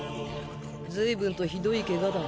ずいぶんとひどいケガだ。